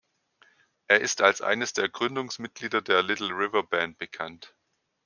Er ist als eines der Gründungsmitglieder der Little River Band bekannt.